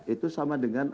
itu sama dengan